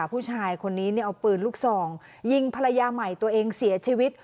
ผู้ชายคนนี้เอาปืนลูกซองยิงภรรยาใหม่ตัวเองเสียชีวิต